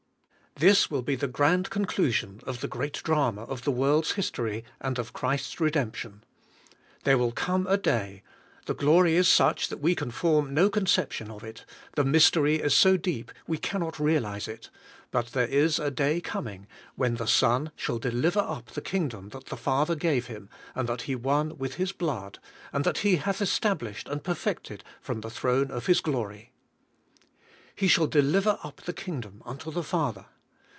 HIS will be the grand conclusion of the great ^ drama of the world's history, and of Christ's redemption. There will come a day — the glory is such we can form no conception of it, the mys tery is so deep we can not realize it, but there is a day coming, when the Son shall deliver up the Kingdom that the Father gave Him, and that He won with His blood, and that He hath established and perfected from the throne of His glory. ^^'^He shall deliver up the Kingdom unto the Father."